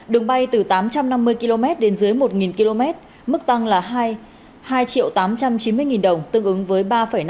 đường bay từ tám trăm năm mươi km đến dưới một km mức tăng là hai tám trăm chín mươi đồng tương ứng với ba năm